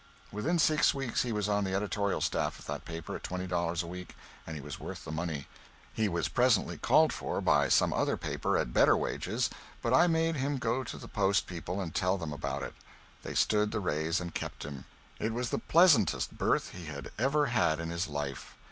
Within six weeks he was on the editorial staff of that paper at twenty dollars a week, and he was worth the money. He was presently called for by some other paper at better wages, but I made him go to the "Post" people and tell them about it. They stood the raise and kept him. It was the pleasantest berth he had ever had in his life.